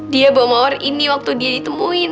dia bawa mawar ini waktu dia ditemuin